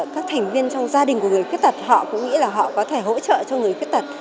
các thành viên trong gia đình của người khuyết tật họ cũng nghĩ là họ có thể hỗ trợ cho người khuyết tật